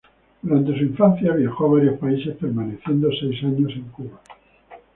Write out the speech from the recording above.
Durante su infancia viajó a varios países, permaneciendo seis años en Cuba.